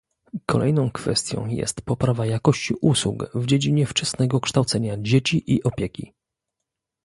Kolejną kwestią jest poprawa jakości usług w dziedzinie wczesnego kształcenia dzieci i opieki